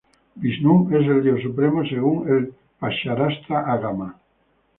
Visnú es el Dios supremo según el Pañcharatra-agama.